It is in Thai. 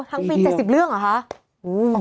ทั้งปี๗๐เรื่องเหรอคะ